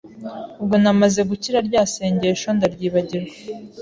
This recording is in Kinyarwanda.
ubwo namaze gukira rya sengesho ndaryibagirwa